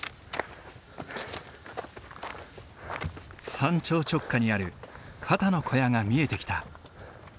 山頂直下にある肩の小屋が見えてきた。